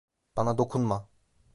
Bana dokunma!